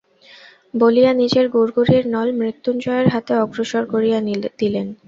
বলিয়া নিজের গুড়গুড়ির নল মৃত্যুঞ্জয়ের হাতে অগ্রসর করিয়া দিলেন।